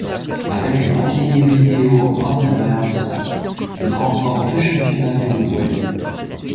Avec les Montevideo Wanderers, il remporte deux championnats d'Uruguay.